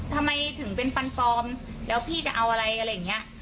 ทำไมถึงเป็นฟันปลอมแล้วพี่จะเอาอะไรอะไรอย่างนี้